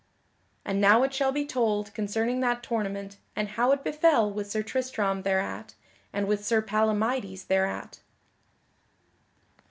And now it shall be told concerning that tournament and how it befell with Sir Tristram thereat, and with Sir Palamydes thereat.